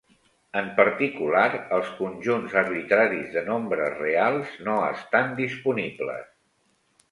En particular, els conjunts arbitraris de nombres reals no estan disponibles.